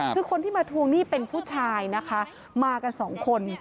คือคนที่มาทวงหนี้เป็นผู้ชายนะคะมากันสองคน